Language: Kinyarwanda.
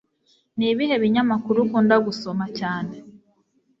Nibihe binyamakuru ukunda gusoma cyane